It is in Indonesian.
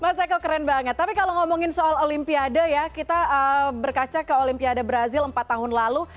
mas eko keren banget tapi kalau ngomongin soal olimpiade ya kita berkaca ke olimpiade brazil empat tahun lalu